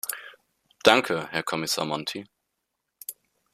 Danke, Herr Kommissar Monti.